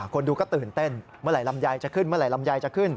คนดูก็ตื่นเต้นเมื่อไหร่ลำไยจะขึ้น